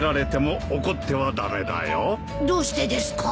どうしてですか？